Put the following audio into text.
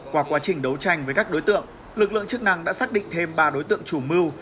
qua quá trình đấu tranh với các đối tượng lực lượng chức năng đã xác định thêm ba đối tượng chủ mưu